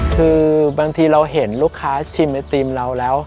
คือบางทีเราเห็นลูกค้าชิมไอติมเราแล้ว